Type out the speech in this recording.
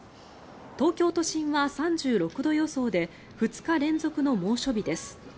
東京都心は３６度予想で２日連続の猛暑日です。